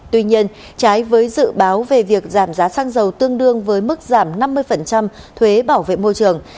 tuy nhiên trái với dự báo về việc giảm giá xăng dầu tương đương với mức giảm năm mươi thuế bảo vệ môi trường